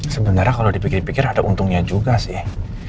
sebenarnya kalau dipikir pikir ada untungnya juga sih